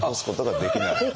できない？